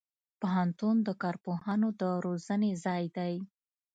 پوهنتون د کارپوهانو د روزنې ځای دی.